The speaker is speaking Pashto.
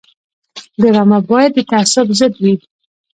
ډرامه باید د تعصب ضد وي